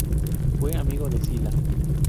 Fue amigo de Sila.